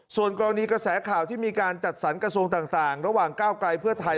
ส่วนกรณีกระแสข่าวที่มีการจัดสรรกระทรวงต่างระหว่างก้าวไกลเพื่อไทย